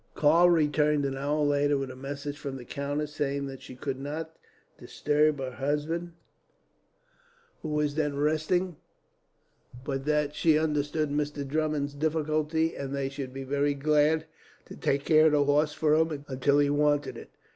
Karl returned an hour later with a message from the countess, saying that she could not disturb her husband, who was then resting, but that she understood Mr. Drummond's difficulty, and they should be very glad to take care of the horse for him, until he wanted it.